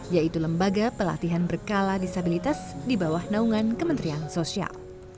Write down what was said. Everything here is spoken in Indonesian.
yaitu lembaga pelatihan berkala disabilitas di bawah naungan kementerian sosial